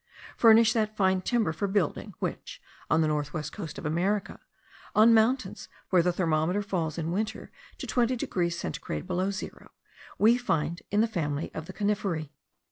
furnish that fine timber for building, which, on the north west coast of America, on mountains where the thermometer falls in winter to 20 degrees centigrade below zero, we find in the family of the coniferae.